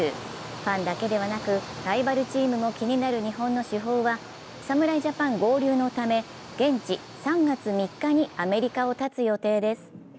ファンだけではなく、ライバルチームも気になる日本の主砲は侍ジャパン合流のため現地３月３日にアメリカをたつ予定です。